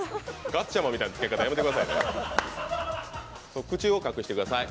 ガッチャマンみたいな着け方やめてください。